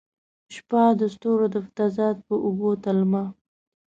شپه د ستورو د تضاد په اوږو تلمه